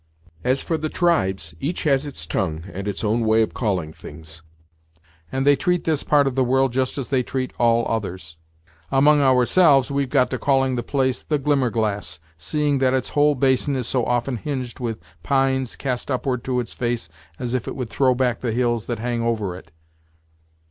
"As for the tribes, each has its tongue, and its own way of calling things; and they treat this part of the world just as they treat all others. Among ourselves, we've got to calling the place the 'Glimmerglass,' seeing that its whole basin is so often hinged with pines, cast upward to its face as if it would throw back the hills that hang over it."